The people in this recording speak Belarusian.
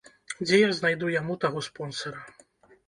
Дзе я знайду яму таго спонсара?